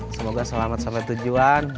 semoga selamat sampai tujuan